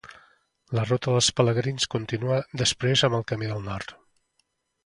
La ruta dels pelegrins continua després amb el Camí del Nord.